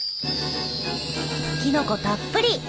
きのこたっぷり！